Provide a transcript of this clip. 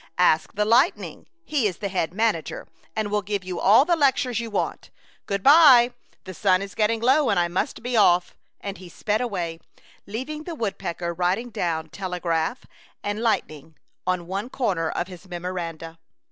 Ask the lightning. He is the head manager, and will give you all the lectures you want. Good by! the sun is getting low, and I must be off." And he sped away, leaving the woodpecker writing down " telegraph " and lightning" on one corner of his memoranda.